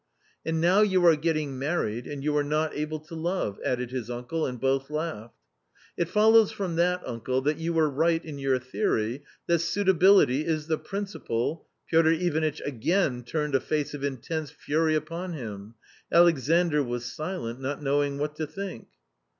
" And now you are getting married, and you are not able to love," added his uncle, and both laughed. "It follows from that, uncle, that you were»right in your theory that suitability is the principal " Piotr Ivanitch again turned a face of intense fury upon him. Alexandr was silent, not knowing what to think.